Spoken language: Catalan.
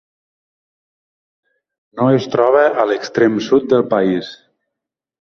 No es troba a l'extrem sud del país.